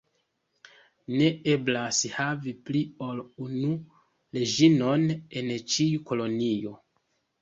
Ne eblas havi pli ol unu reĝinon en ĉiu kolonio.